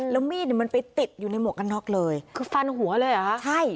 แล้วมีดเนี่ยมันไปติดอยู่ในหมวกกันน็อกเลยคือฟันหัวเลยเหรอคะใช่